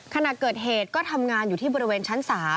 ขณะเกิดเหตุก็ทำงานอยู่ที่บริเวณชั้น๓